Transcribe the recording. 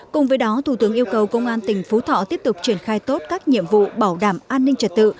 cùng với đó thủ tướng yêu cầu công an tỉnh phú thọ tiếp tục triển khai tốt các nhiệm vụ bảo đảm an ninh trật tự